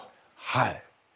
はい。